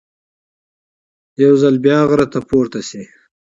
یو ځل بیا غره ته پورته شي.